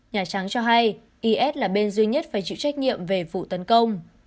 nhà trắng cho hay is là bên duy nhất phải chịu trách nhiệm về vụ tấn công